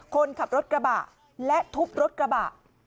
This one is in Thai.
คนขับรถกระบะและทุบรถกระบะ